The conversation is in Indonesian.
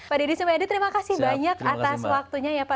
pak deddy sumedi terima kasih banyak atas waktunya ya pak